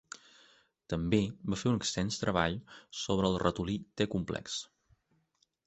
També va fer un extens treball sobre el ratolí t-complex.